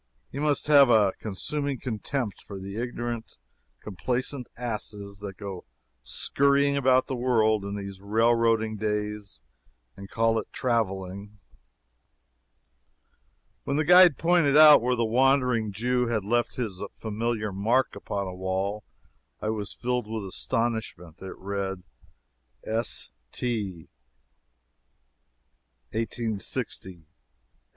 He must have a consuming contempt for the ignorant, complacent asses that go skurrying about the world in these railroading days and call it traveling. When the guide pointed out where the Wandering Jew had left his familiar mark upon a wall, I was filled with astonishment. It read: "S. T. 1860 X."